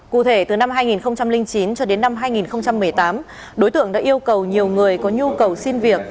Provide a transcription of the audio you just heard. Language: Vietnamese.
cụ thể từ năm hai nghìn chín cho đến năm hai nghìn một mươi tám đối tượng đã yêu cầu nhiều người có nhu cầu xin việc